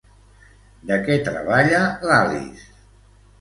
De què treballa l'Alice?